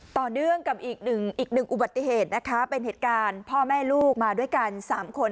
ต่อเนื่องกับอีกหนึ่งอีกหนึ่งอุบัติเหตุนะคะเป็นเหตุการณ์พ่อแม่ลูกมาด้วยกัน๓คน